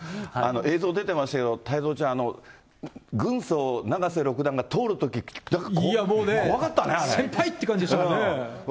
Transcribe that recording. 映像出てましたけど、太蔵ちゃん、軍曹、永瀬六段が通るとき、いやもうね、先輩って感じでしたからね。